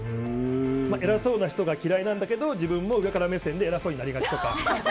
偉そうな人が嫌いなんだけど自分も上から目線で偉そうになりがちとか。